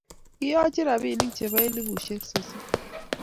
Kiyochin robinik chebo elubushek sosom